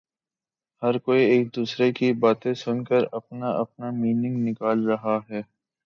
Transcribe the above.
ہر کوئی ایک دوسرے کی باتیں سن کر اپنا اپنا مینینگ نکال رہا ہے